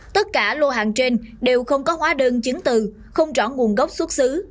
tất cả lô hàng trên đều không có hóa đơn chứng từ không rõ nguồn gốc xuất xứ